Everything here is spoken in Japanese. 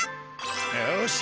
よし！